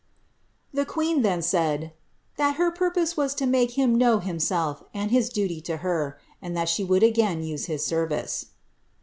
The queen then said, ^ that her purpose was to make him know him* self, and his duty to her ; and that she would again use his service."